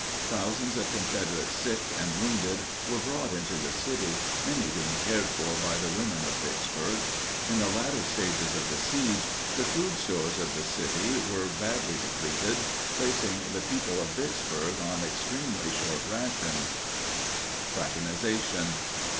Thousands of Confederate sick and wounded were brought into the city, many being cared for by the women of Vicksburg. In the latter stages of the siege the food stores of the city were badly depleted, placing the people of Vicksburg on extremely short rations. FRATERNIZATION.